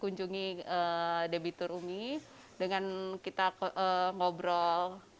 kunjungi debitur umi dengan kita ngobrol